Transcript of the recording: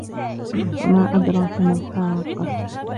وَمَا أَدْرَاكَ مَا الْحَاقَّةُ